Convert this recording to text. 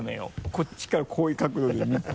こっちからこういう角度で見て。